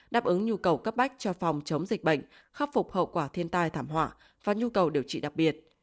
đáp ứng nhu cầu cấp bách cho phòng chống dịch bệnh khắc phục hậu quả thiên tai thảm họa và nhu cầu điều trị đặc biệt